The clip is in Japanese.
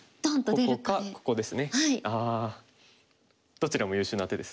どちらも優秀な手です。